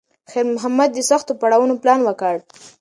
خیر محمد د سختو پړاوونو پلان وکړ.